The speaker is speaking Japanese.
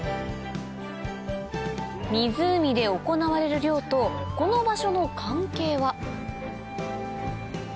湖で行われる漁とこの場所の関係は？